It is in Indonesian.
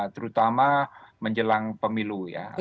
terutama menjelang pemilu ya